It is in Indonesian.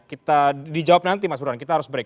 kita dijawab nanti mas burhan kita harus break